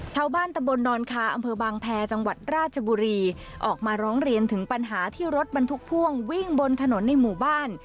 ชาวบ้านตะบนนอนคาอำเภอบางแพรจังหวัดราชบุรีออกมาร้องเรียนถึงปัญหาที่รถบรรทุกพ่วงวิ่งบนถนนในหมู่บ้าน